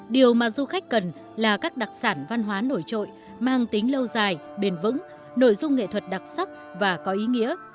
điều mà du khách cần là các đặc sản văn hóa nổi trội mang tính lâu dài bền vững nội dung nghệ thuật đặc sắc và có ý nghĩa